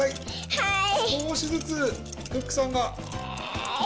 はい！